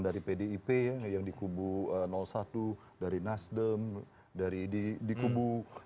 dari pdip yang dikubur satu dari nasdem dari di dikubur